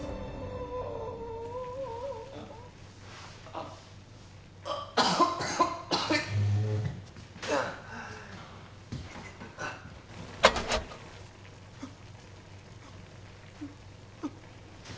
あっあっ。